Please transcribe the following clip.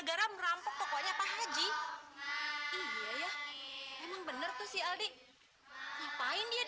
sampai jumpa di video selanjutnya